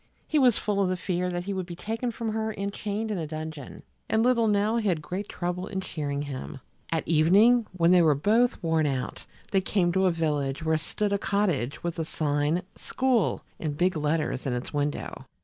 He was full of the fear that he would be taken from her and chained in a dungeon, and little Nell had great trouble in cheering him. At evening when they were both worn out, they came to a village where stood a cottage with the sign SCHOOL in big letters in its window.